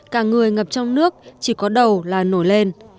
cả người ngập trong nước chỉ có đầu là nổi lên